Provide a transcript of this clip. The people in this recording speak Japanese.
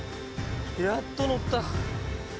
やっとのった！